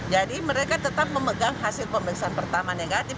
jadi mereka tetap memegang hasil pemeriksaan pertama negatif